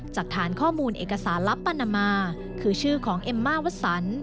จากฐานข้อมูลเอกสารลับปานามาคือชื่อของเอ็มม่าวสัน